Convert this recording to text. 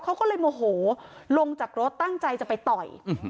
เขาก็เลยโมโหลงจากรถตั้งใจจะไปต่อย